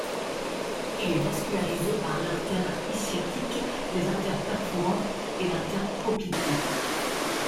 Il est vascularisé par l'artère ischiatique, les artères perforantes et l'artère poplitée.